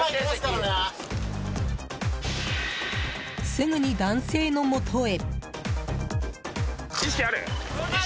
すぐに男性のもとへ。